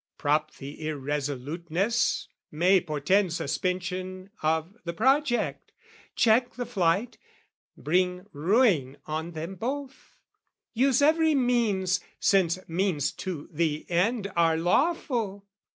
Prop the irresoluteness may portend Suspension of the project, check the flight, Bring ruin on them both? use every means, Since means to the end are lawful?